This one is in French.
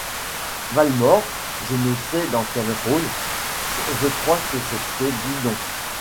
Valmore, je ne sais dans quel rôle ; je crois que c'était Didon.